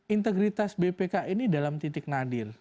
integritas bpk ini dalam titik nadir